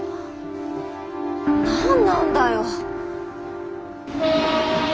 何なんだよ。